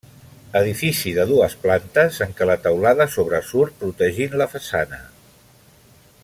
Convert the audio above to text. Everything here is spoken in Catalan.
Edifici de dues plantes en què la teulada sobresurt protegint la façana.